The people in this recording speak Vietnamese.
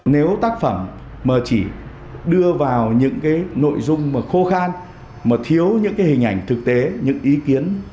nếu tác phẩm mà chỉ đưa vào những cái nội dung mà khô khan mà thiếu những hình ảnh thực tế những ý kiến